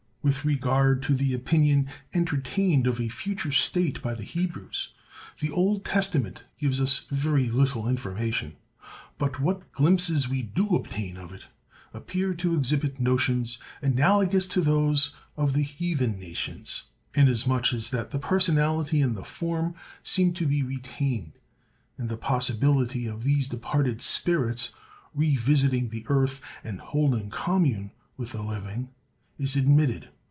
With regard to the opinion entertained of a future state by the Hebrews, the Old Testament gives us very little information; but what glimpses we do obtain of it appear to exhibit notions analogous to those of the heathen nations, inasmuch as that the personality and the form seem to be retained, and the possibility of these departed spirits revisiting the earth and holding commune with the living is admitted.